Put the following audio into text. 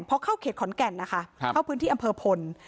พอเข้าเขตขอนแก่นนะคะเข้าพื้นที่อำเภอพล